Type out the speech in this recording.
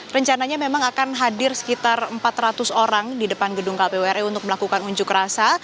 rencananya memang akan hadir sekitar empat ratus orang di depan gedung kpu ri untuk melakukan unjuk rasa